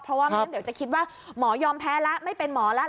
เพราะว่าไม่งั้นเดี๋ยวจะคิดว่าหมอยอมแพ้แล้วไม่เป็นหมอแล้ว